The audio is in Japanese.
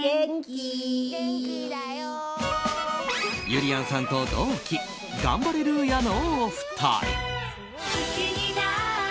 ゆりやんさんと同期ガンバレルーヤのお二人。